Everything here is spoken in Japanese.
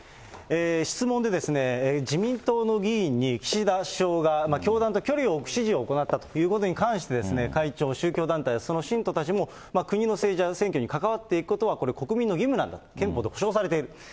質問で、自民党の議員に岸田首相が教団と距離を置く指示を行ったということに関して、会長、宗教団体、その信徒たちも国の政治や選挙に関わっていくことはこれは国民の義務なんだと、憲法で保障されている。